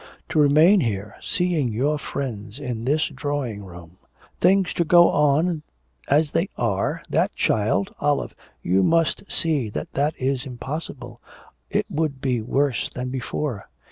To remain here, seeing your friends in this drawing room! things to go on as they are! that child! Olive, you must see that that is impossible. It would be worse than before.'